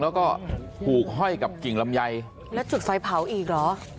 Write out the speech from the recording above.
แล้วก็ผูกห้อยกับกิ่งลำไยแล้วจุดไฟเผาอีกเหรอ